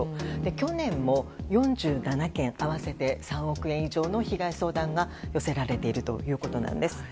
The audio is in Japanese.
去年も４７件合わせて３億円以上の被害相談が寄せられているということなんです。